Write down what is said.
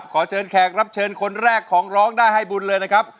ขอเชิญแขกรับเชิญคนแรกของร้องได้ให้บุญเลยนะครับ